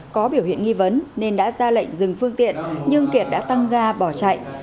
có biểu hiện nghi vấn nên đã ra lệnh dừng phương tiện nhưng kiệt đã tăng ga bỏ chạy